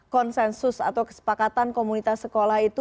konsensus atau kesepakatan komunitas sekolah itu